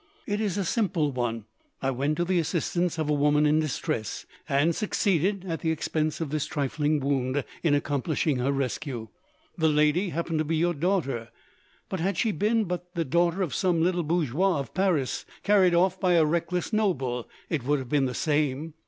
It is a simple one. I went to the assistance of a woman in distress; and succeeded, at the expense of this trifling wound, in accomplishing her rescue. The lady happened to be your daughter, but had she been but the daughter of some little bourgeois of Paris, carried off by a reckless noble, it would have been the same.